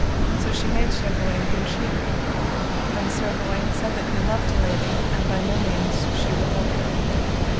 So she made Sir Gawaine good cheer. Then Sir Gawaine said that he loved a lady and by no means she would love him.